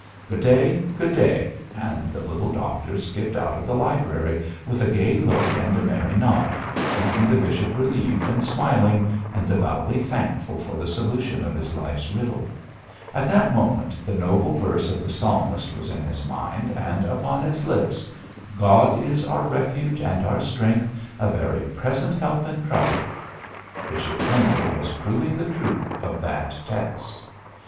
Good day, good day,' and the little doctor skipped out of the library with a gay look and a merry nod, leaving the bishop relieved and smiling, and devoutly thankful for the solution of his life's riddle. At that moment the noble verse of the Psalmist was in his mind and upon his lips 'God is our refuge and our strength: a very present help in trouble.' Bishop Pendle was proving the truth of that text.